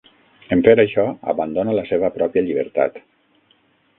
En fer això, abandona la seva pròpia llibertat.